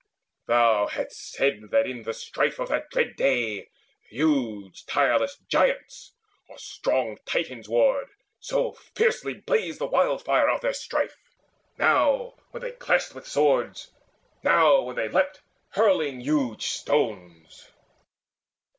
Thou hadst said that in the strife of that dread day Huge tireless Giants or strong Titans warred, So fiercely blazed the wildfire of their strife, Now, when they clashed with swords, now when they leapt Hurling huge stones.